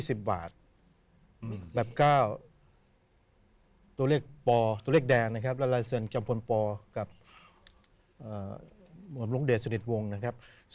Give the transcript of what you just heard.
ใบนี้แบงค์๒๐วาทแบบก้าวตัวเลขปอตัวเลขแดงนะครับและลายส่วนจำพลปอกับลงเดชนิดวงนะครับ